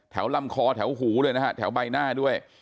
ลำคอแถวหูเลยนะฮะแถวใบหน้าด้วย